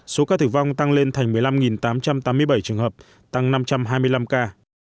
số ca tử vong tăng lên thành một mươi năm tám trăm tám mươi bảy trường hợp tăng năm trăm hai mươi năm ca